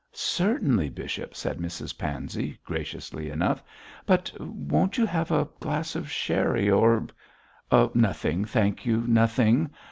'Certainly, bishop,' said Mrs Pansey, graciously enough, 'but won't you have a glass of sherry or ' 'Nothing, thank you; nothing.